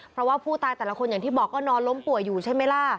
เพราะว่าผู้ตายแต่ละคนอย่างที่บอกก็นอนล้มป่วยอยู่ใช่ไหมล่ะ